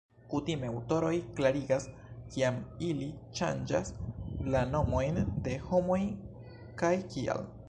Kutime aŭtoroj klarigas kiam ili ŝanĝas la nomojn de homoj kaj kial.